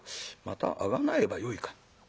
またあがなえばよいか。